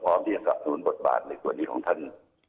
พอตรนี้พร้อมพื้นอุบัตรในส่วนนี้ของท่าน